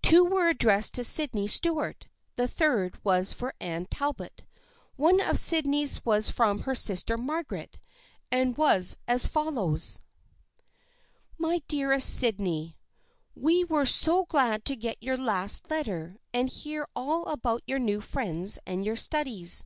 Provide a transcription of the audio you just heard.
Two were addressed to Sydney Stuart, the third was for Anne Talbot. One of Sydney's was from her sister Margaret and was as fol lows :" My Dear Sydney :" We were so glad to get your last letter and hear all about your new friends and your studies.